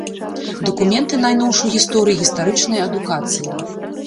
Дакументы найноўшай гісторыі і гістарычная адукацыя.